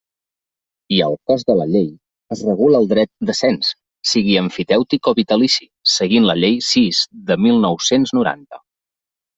I al cos de la llei, es regula el dret de cens, sigui emfitèutic o vitalici, seguint la Llei sis de mil nou-cents noranta.